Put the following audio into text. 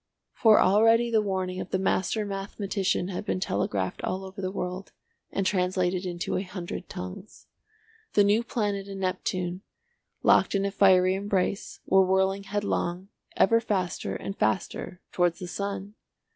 For already the warning of the master mathematician had been telegraphed all over the world, and translated into a hundred tongues. The new planet and Neptune, locked in a fiery embrace, were whirling headlong, ever faster and faster towards the sun.